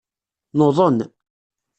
Nuḍen.